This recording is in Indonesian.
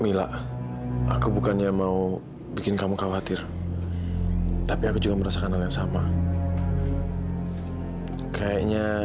mila aku bukannya mau bikin kamu khawatir tapi aku juga merasa kenangan sama kayaknya